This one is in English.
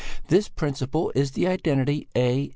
This principle is the identity A A.